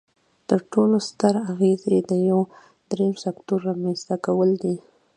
تر ټولو ستر اغیز یې د یو دریم سکتور رامینځ ته کول دي.